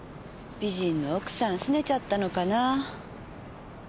美人の奥さんすねちゃったのかなぁ。